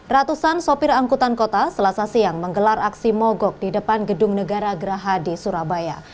ratusan sopir angkutan kota selasa siang menggelar aksi mogok di depan gedung negara geraha di surabaya